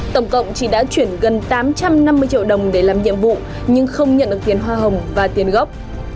tổng cộng chị đã chuyển gần tám trăm năm mươi triệu đồng để làm nhiệm vụ nhưng không nhận được tiền hoa hồng và tiền gốc